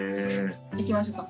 行きましょうか。